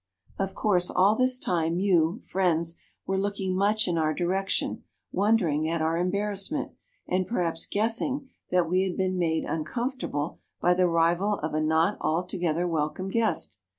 "Of course, all this time you, friends, were looking much in our direction, wondering at our embarrassment, and perhaps guessing that we had been made uncomfortable by the arrival of a not altogether welcome guest.